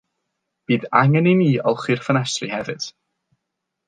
Bydd angen i ni olchi'r ffenestri hefyd.